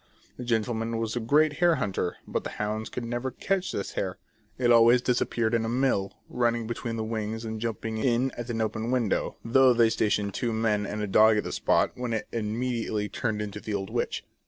The gentle man was a great hare hunter, but the hounds could never catch this hare ; it always disappeared in a mill, running between the wings and jumping in at an open window, though they stationed two men and a dog at the spot, when it immediately turned into the old witch.